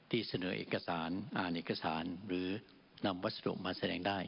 ที่เสนอเอกสารอ่านเอกสารหรือนำวัสดุมาแสดงได้